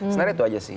sebenarnya itu aja sih